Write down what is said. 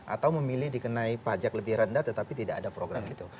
atau memilih dikenai pajak lebih rendah tetapi tidak ada program itu